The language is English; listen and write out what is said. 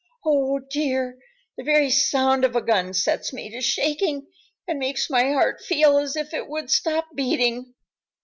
Oh, dear, the very sound of a gun sets me to shaking and makes my heart feel as if it would stop beating.